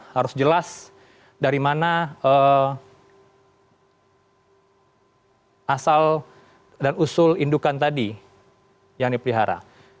harus jelas dari mana asal dan usul indukan tadi yang dipelihara